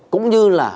cũng như là